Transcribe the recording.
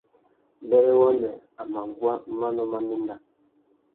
Mbêrê wamê a mà guá manô má méndá.